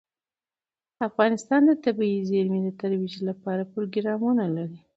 افغانستان د طبیعي زیرمې د ترویج لپاره پروګرامونه لري.